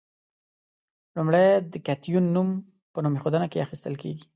لومړی د کتیون نوم په نوم ایښودنه کې اخیستل کیږي.